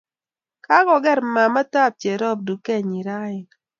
Kagogeer mamatab cherop dukenyi raini